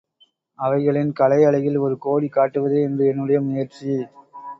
அவைகளின் கலை அழகில் ஒரு கோடி காட்டுவதே இன்று என்னுடைய முயற்சி.